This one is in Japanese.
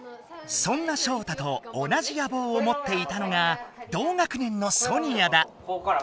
そんなショウタと同じやぼうをもっていたのが同学年のソニアだ。